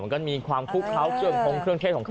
มันก็มีความคุกเคล้าเกือบพร้อมเครื่องเทศของครับ